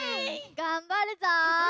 がんばるぞ！